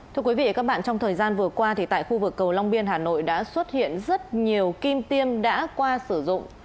thưa quý vị và các bạn trong thời gian vừa qua thì tại khu vực cầu long biên hà nội đã xuất hiện rất nhiều kim tiêm đã qua sử dụng